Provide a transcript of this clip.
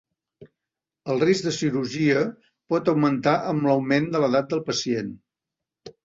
El risc de cirurgia pot augmentar amb l'augment de l'edat del pacient.